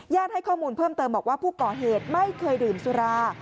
ให้ข้อมูลเพิ่มเติมบอกว่าผู้ก่อเหตุไม่เคยดื่มสุรา